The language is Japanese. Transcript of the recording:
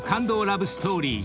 ラブストーリー］